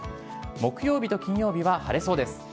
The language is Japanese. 木曜日と金曜日は晴れそうです。